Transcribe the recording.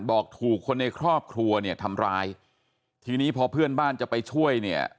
บอกถูกคนในครอบครัวเนี่ยทำร้ายทีนี้พอเพื่อนบ้านจะไปช่วยเนี่ย